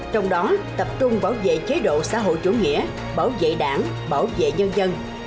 trong đó tập trung bảo vệ chế độ xã hội chủ nghĩa bảo vệ đảng bảo vệ nhân dân